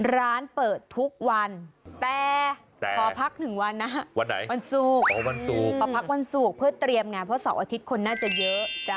ร้านเปิดทุกวันแต่พอพัก๑วันนะวันสูงเพื่อเตรียมงานเพราะ๒อาทิตย์คนน่าจะเยอะ